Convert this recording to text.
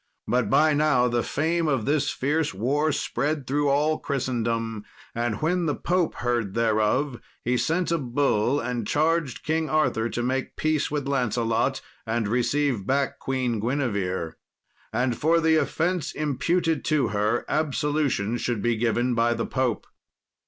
But by now the fame of this fierce war spread through all Christendom, and when the Pope heard thereof he sent a Bull, and charged King Arthur to make peace with Lancelot, and receive back Queen Guinevere; and for the offence imputed to her absolution should be given by the Pope.